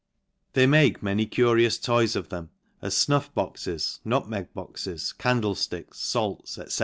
They make many curious toys of them, as fnufr boxes, nutmeg boxes, candlefticks, falts, tsc.